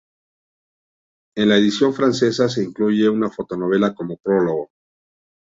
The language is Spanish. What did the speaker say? En la edición francesa se incluye una fotonovela como prólogo.